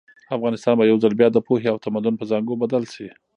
افغانستان به یو ځل بیا د پوهې او تمدن په زانګو بدل شي.